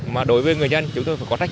mà đối với người dân chúng tôi phải có trách